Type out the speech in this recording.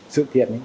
sự kiện ấy